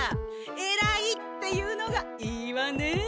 えらいっていうのがいいわね。